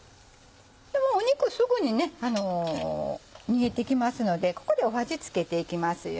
もう肉すぐにね煮えてきますのでここで味付けていきますよ。